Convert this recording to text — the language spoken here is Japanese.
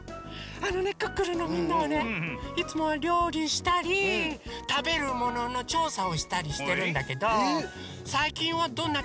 あのね「クックルン」のみんなはねいつもはりょうりしたりたべるもののちょうさをしたりしてるんだけどさいきんはどんなちょうさしたの？